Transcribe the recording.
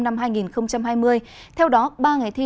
năm hai nghìn hai mươi theo đó ba ngày thi